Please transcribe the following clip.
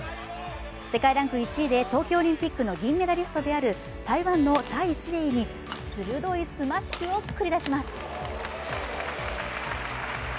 世界ランク１位で東京オリンピックの銀メダリストである台湾のタイ・シエイに鋭いスマッシュを繰り出します。